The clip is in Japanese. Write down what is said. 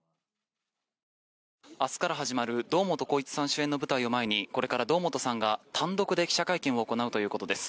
明日から始まる堂本光一さん主演の舞台を前にこれから堂本さんが単独で記者会見を行うということです。